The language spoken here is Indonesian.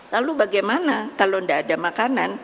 lalu bagaimana kalau tidak ada makanan